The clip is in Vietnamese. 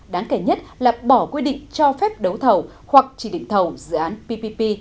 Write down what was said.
đáng kể nhất là bỏ quy định cho phép đấu thầu hoặc chỉ định thầu dự án ppp